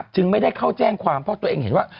จึงไม่ได้เข้าแจ้งความเพราะตัวเองเห็นว่า